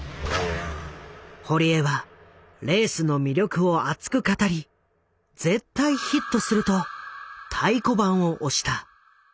堀江はレースの魅力を熱く語りと太鼓判を押した。